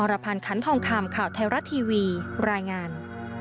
รพันธ์คันทองคำข่าวไทยรัฐทีวีรายงาน